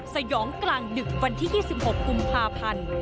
สยองกลางดึกวันที่๒๖กุมภาพันธ์